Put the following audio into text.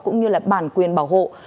cũng như là bản quyền bảo hộ